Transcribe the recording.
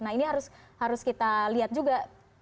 nah ini harus kita lihat juga